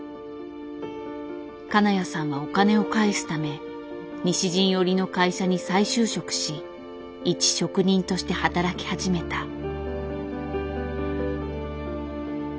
金谷さんはお金を返すため西陣織の会社に再就職しいち職人として働き始めた。